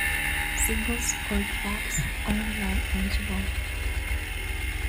Singles or tracks only are eligible.